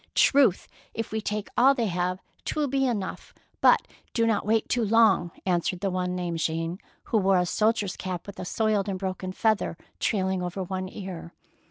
"Truth, if we take all they have, ^t will be enough, but do not wait too long,^^ answered the one named Jean, who wore a soldier's cap with a soiled and broken feather trailing over one ear.